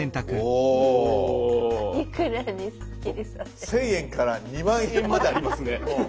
１，０００円から２０，０００円まであります。